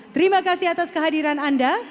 terima kasih atas kehadiran anda